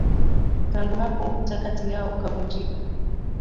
Tangu hapo ukuta kati yao ukavunjika